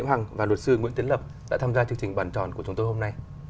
thưa luật sư nguyễn tiến lập đã tham gia chương trình bàn tròn của chúng tôi hôm nay